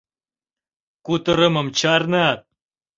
Кутырымым чарнат.